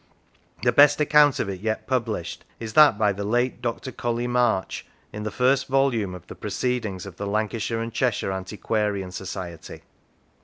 The best account of it yet published is that by the late Dr. Colley March in the first volume of the Proceedings of the Lancashire and Cheshire Antiquarian Society.